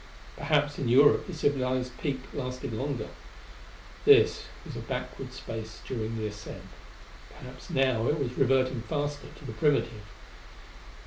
Perhaps in Europe the civilized peak lasted longer. This was a backward space during the ascent; perhaps now it was reverting faster to the primitive.